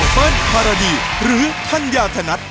เปิ้ลฮารดีหรือท่านยาธนัด